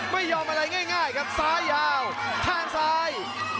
ไม่ยอมอะไรง่ายครับซ้ายยาวแทงซ้าย